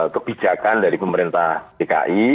kebijakan dari pemerintah dki